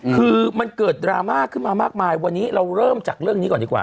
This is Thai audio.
คือมันเกิดดราม่าขึ้นมามากมายวันนี้เราเริ่มจากเรื่องนี้ก่อนดีกว่า